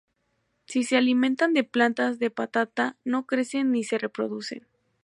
Si se alimentan de plantas de patata no crecen ni se reproducen.